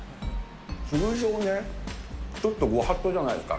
通常ね、ちょっとご法度じゃないですか。